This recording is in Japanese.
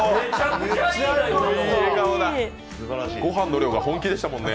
ご飯の量が本気でしたもんね。